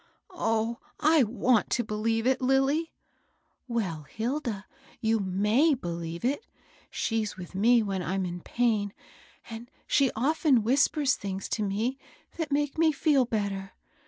" Oh, I want to believe it, Lilly I "" Well, Hilda, you may believe it. She's with me when I'm in pain, and she often whispers things to me that make me feel better.